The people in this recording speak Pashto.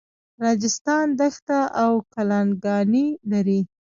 راجستان دښته او کلاګانې لري.